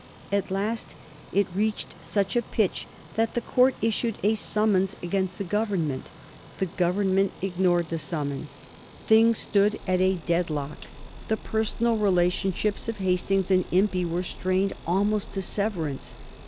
At last it reached such a pitch that the Court issued a summons against the Government. The Government ignored the summons; things stood at a dead lock; the personal relationships of Hastings and Impey were strained almost to severance.